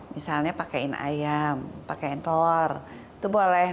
misalnya pakaiin ayam pakaiin telur itu boleh